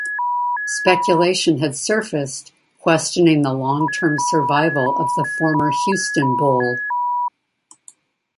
Speculation had surfaced questioning the long-term survival of the former Houston Bowl.